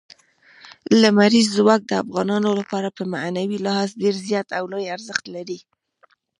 لمریز ځواک د افغانانو لپاره په معنوي لحاظ ډېر زیات او لوی ارزښت لري.